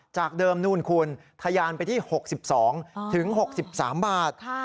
จากเดิมนู่นคุณทะยานไปที่๖๒๖๓บาท